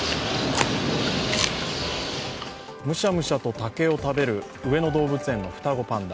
むしゃむしゃと竹を食べる上野動物園の双子パンダ。